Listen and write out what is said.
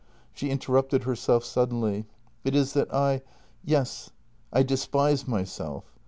She interrupted herself suddenly: "It is that I — yes — I despise myself.